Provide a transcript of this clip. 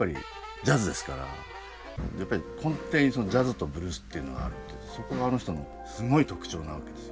やっぱり根底にジャズとブルースっていうのがあってそこがあの人のすごい特徴なわけです。